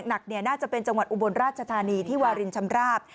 น่าจะเป็นจังหวัดอุบลราชธานีที่วารินชำราบ